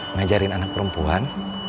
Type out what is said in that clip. ngajarin anak perempuan